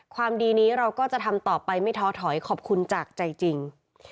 ความดีนี้เราก็จะทำต่อไปไม่ท้อถอยขอบคุณจากใจจริง